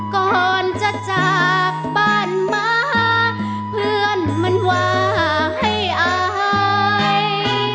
ก่อนจะจากบ้านมาเพื่อนมันว่าให้อาย